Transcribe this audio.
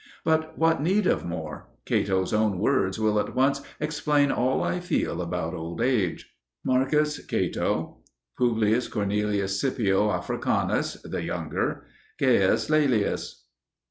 But what need of more? Cato's own words will at once explain all I feel about old age. M. Cato. Publius Cornelius Scipio Africanus (the younger). Gaius Laelius.